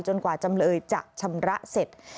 กว่าจำเลยจะชำระเสร็จ